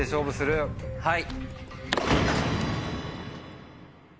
はい。